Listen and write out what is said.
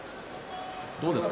どうですか？